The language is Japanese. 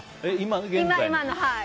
今の。